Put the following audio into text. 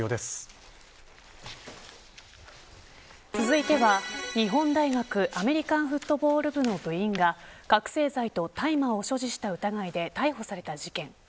続いては日本大学アメリカンフットボール部の部員が覚せい剤と大麻を所持した疑いで逮捕された事件。